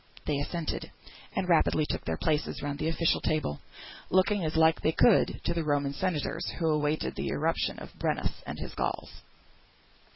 They assented, and rapidly took their places round the official table; looking, as like as they could, to the Roman senators who awaited the irruption of Brennus and his Gauls.